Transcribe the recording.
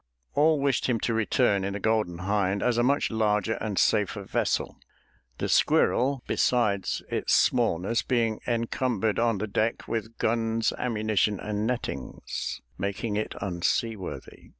All wished him to return in the Golden Hind as a much larger and safer vessel; the Squirrel, besides its smallness, being encumbered on the deck with guns, ammunition, and nettings, making it unseaworthy.